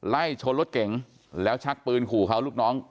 ไล่ชนรถเก๋งแล้วชักปืนขู่เขาลูกน้อง